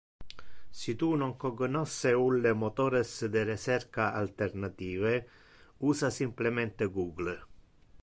Si tu non cognosce ulle motores de recerca alternative, usa simplemente Google.